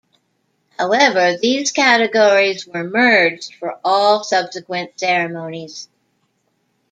However, these categories were merged for all subsequent ceremonies.